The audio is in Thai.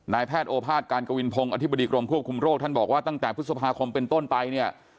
แพทย์โอภาษการกวินพงศ์อธิบดีกรมควบคุมโรคท่านบอกว่าตั้งแต่พฤษภาคมเป็นต้นไปเนี่ย